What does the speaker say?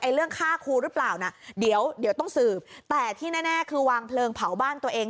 เรื่องฆ่าครูหรือเปล่าน่ะเดี๋ยวเดี๋ยวต้องสืบแต่ที่แน่คือวางเพลิงเผาบ้านตัวเอง